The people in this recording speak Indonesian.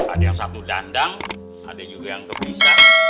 ada yang satu dandang ada juga yang kepisah